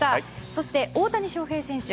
そして、大谷翔平選手